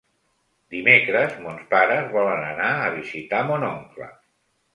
Dimecres mons pares volen anar a visitar mon oncle.